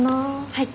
はい。